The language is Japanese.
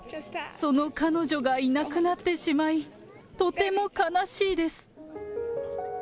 その彼女がいなくなってしまい、とても悲しいです。